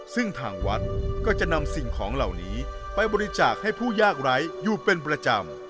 ซึ่งทางวัดก็จะนำสิ่งของเหล่านี้ไปบริจาคให้ผู้ยากไร้อยู่เป็นประจำ